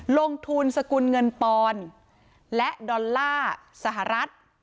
ลงทุนสกุลเงินปอนด์และดอลลาร์สหรัฐ